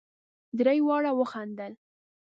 درې واړو وخندل.